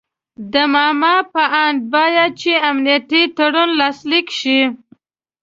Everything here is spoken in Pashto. د ماما په آند باید چې امنیتي تړون لاسلیک شي.